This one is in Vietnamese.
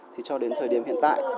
thì cho đến thời điểm hiện tại